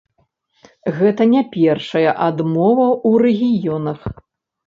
Гэта не першая адмова ў рэгіёнах.